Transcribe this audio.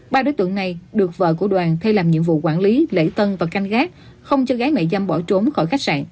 ba đối tượng này được vợ của đoàn thay làm nhiệm vụ quản lý lễ tân và canh gác không cho gái mại dâm bỏ trốn khỏi khách sạn